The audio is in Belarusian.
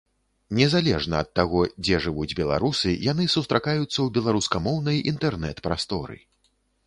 Незалежна ад таго, дзе жывуць беларусы, яны сустракаюцца ў беларускамоўнай інтэрнэт-прасторы.